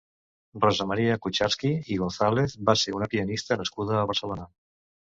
Rosa Maria Kucharski i Gonzàlez va ser una pianista nascuda a Barcelona.